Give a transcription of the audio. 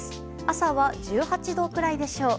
朝は１８度くらいでしょう。